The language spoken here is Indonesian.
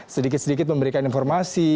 sedikit sedikit memberikan informasi